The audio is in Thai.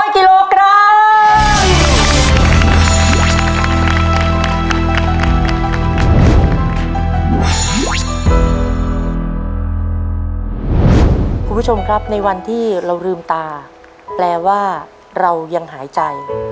คุณผู้ชมครับในวันที่เราลืมตาแปลว่าเรายังหายใจ